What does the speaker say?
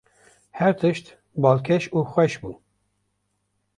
Her tişt balkêş û xweş bû.